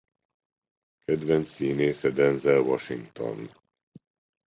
Kedvenc színésze Denzel Washington.